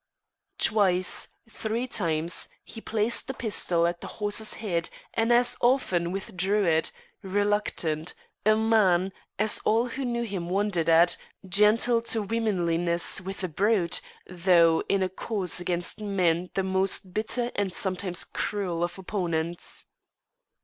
Twice three times, he placed the pistol at the horse's head and as often withdrew it, reluctant, a man, as all who knew him wondered at, gentle to womanliness with a brute, though in a cause against men the most bitter and sometimes cruel of opponents.